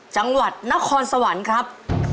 จังหวัดนครสวรรค์ครับ